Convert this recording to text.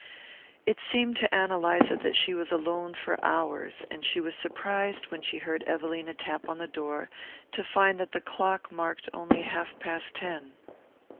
It seemed to Ann Eliza that she was alone for hours, and she was surprised, when she heard Evelina tap on the door, to find that the clock marked only half past ten.